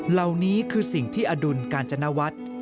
เหล่านี้คือสิ่งที่อดุลกาญจนวัฒน์